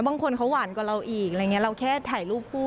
บางคนเขาหวานกว่าเราอีกเราแค่ถ่ายรูปผู้